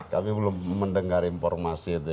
kami belum mendengar informasi itu